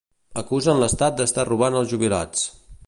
Acusen l'Estat d'estar robant als jubilats.